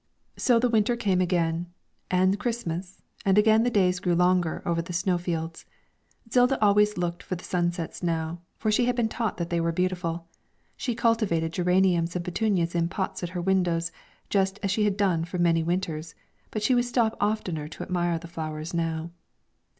So the winter came again, and Christmas, and again the days grew longer over the snowfields. Zilda always looked for the sunsets now, for she had been taught that they were beautiful. She cultivated geraniums and petunias in pots at her windows, just as she had done for many winters, but she would stop oftener to admire the flowers now.